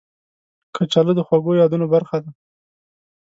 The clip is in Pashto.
کچالو د خوږو یادونو برخه ده